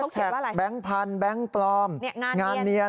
แท็กแบงค์พันธุ์แบงค์ปลอมงานเนียน